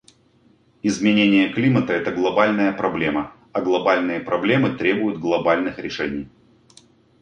Изменение климата — это глобальная проблема, а глобальные проблемы требуют глобальных решений.